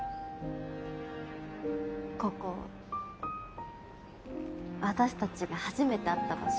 ここ私たちが初めて会った場所。